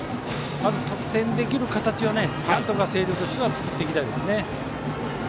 まず得点できる形をなんとか星稜としては作っていきたいですね。